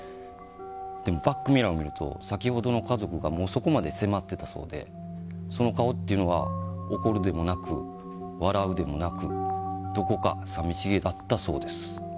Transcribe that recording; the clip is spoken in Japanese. でもバックミラーを見ると先ほどの家族がそこまで迫っていたそうでその顔っていうのは怒るでもなく笑うでもなくどこか寂しげだったそうです。